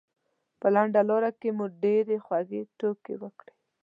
په لنډه لاره کې مو ډېرې خوږې ټوکې وکړې.